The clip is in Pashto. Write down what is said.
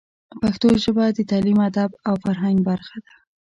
پښتو ژبه د تعلیم، ادب او فرهنګ برخه ده.